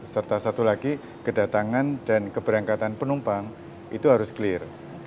serta satu lagi kedatangan dan keberangkatan penumpang itu harus clear